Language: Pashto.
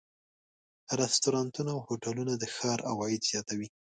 رستورانتونه او هوټلونه د ښار عواید زیاتوي.